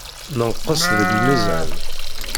Nenqes deg lmizan.